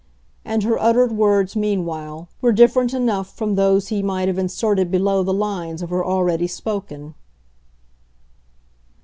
And her uttered words, meanwhile, were different enough from those he might have inserted between the lines of her already spoken.